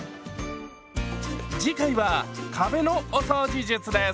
次回は壁のお掃除術です。